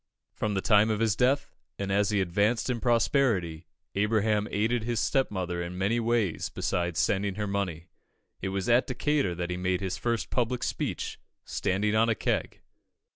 From the time of his death, and as he advanced in prosperity, Abraham aided his stepmother in many ways besides sending her money. It was at Decatur that he made his first public speech, standing on a keg.